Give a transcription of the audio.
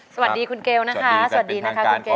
สวัสดีคุณเกลนะคะสวัสดีนะคะคุณเกล